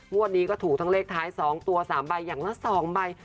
วันนี้ก็ถูกทั้งเลขท้าย๒ตัว๓ใบอย่างละ๒ใบ